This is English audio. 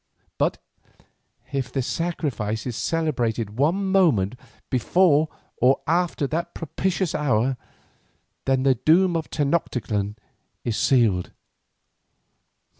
But if the sacrifice is celebrated one moment before or after that propitious hour, then the doom of Tenoctitlan is sealed.